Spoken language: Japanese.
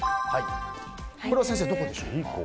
これは先生、どこでしょう。